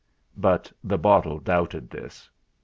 But the bottle doubted this.